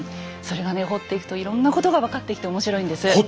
それがね掘っていくといろんなことが分かってきて面白いんです。